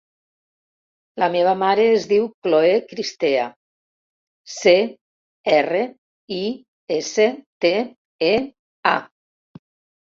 La meva mare es diu Cloè Cristea: ce, erra, i, essa, te, e, a.